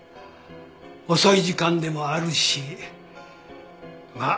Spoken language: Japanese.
遅い時間でもあるしまあ